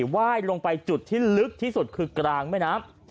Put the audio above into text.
ไหว้ลงไปจุดที่ลึกที่สุดคือกลางแม่น้ำ